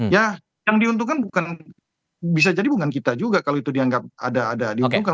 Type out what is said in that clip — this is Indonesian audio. ya yang diuntungkan bukan bisa jadi bukan kita juga kalau itu dianggap ada diuntungkan